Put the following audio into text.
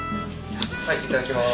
さあいただきます。